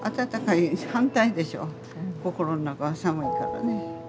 心の中は寒いからね。